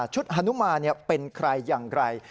ชุดฮานุมานเนี่ยเป็นใครอย่างไร